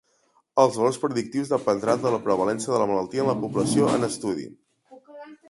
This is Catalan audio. Els valors predictius dependran de la prevalença de la malaltia en la població en estudi.